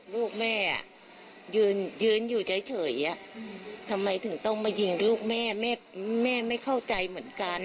ลูกแม่ยืนอยู่เฉยทำไมถึงต้องมายิงลูกแม่แม่ไม่เข้าใจเหมือนกัน